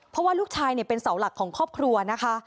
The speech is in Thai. เพราะว่าลูกชายเป็นเสาหลักของครอบครัวนะคะ